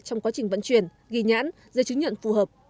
trong quá trình vận chuyển ghi nhãn dây chứng nhận phù hợp